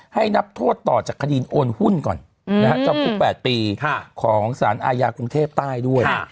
ให้นับโทษต่อจากคดีโอนหุ้นก่อนจำคุก๘ปีของสารอาญากรุงเทพใต้ด้วย